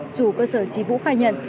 chủ cơ sở tri vũ khai nhận